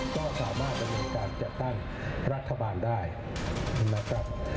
ก็สามารถดำเนินการจัดตั้งรัฐบาลได้นะครับ